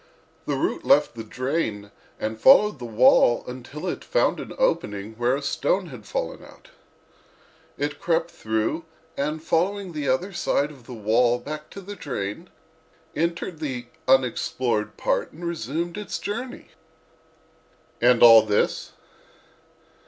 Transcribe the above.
The root left the drain and followed the wall until it found an opening where a stone had fallen out. It crept through and following the other side of the wall back to the drain, entered the unexplored part and resumed its journey." "And all this?"